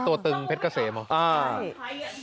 ตัวตึงเพชรเกษมเหรอใช่